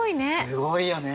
すごいよね。